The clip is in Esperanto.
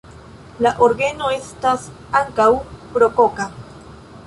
La orgeno estas ankaŭ rokoka.